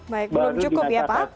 baik belum cukup ya pak